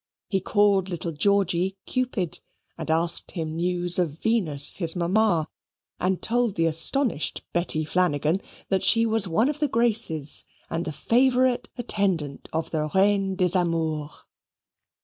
He called little Georgy Cupid, and asked him news of Venus, his mamma; and told the astonished Betty Flanagan that she was one of the Graces, and the favourite attendant of the Reine des Amours.